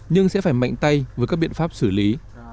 nhưng sẽ phải mạnh tay với các biện pháp xử lý